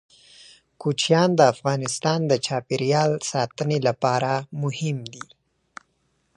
کوچیان د افغانستان د چاپیریال ساتنې لپاره مهم دي.